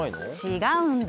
違うんだよ。